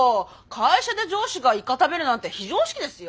会社で上司がイカ食べるなんて非常識ですよ。